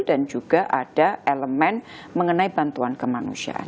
dan juga ada elemen mengenai bantuan kemanusiaan